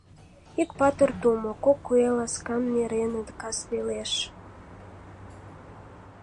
Ик патыр тумо, кок куэ Ласкан нереныт кас велеш.